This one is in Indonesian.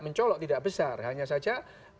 mencolok tidak besar hanya saja